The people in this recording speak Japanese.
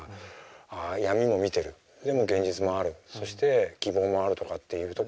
ああ闇も見てるでも現実もあるそして希望もあるとかっていうところのさ